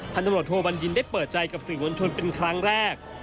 ตำรวจโทบัญญินได้เปิดใจกับสื่อมวลชนเป็นครั้งแรก